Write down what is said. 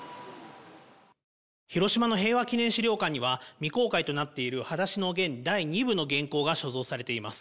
広島の平和記念資料館には、未公開となっているはだしのゲン第２部の原稿が所蔵されています。